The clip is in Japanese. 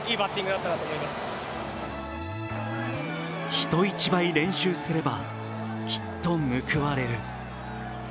人一倍練習すれば、きっと報われる。